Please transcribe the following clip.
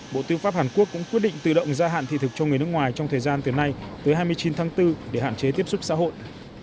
bộ tư pháp hàn quốc cũng quyết định tự động gia hạn thị thực cho người nước ngoài trong thời gian từ nay tới hai mươi chín tháng bốn để hạn chế tiếp xúc xã hội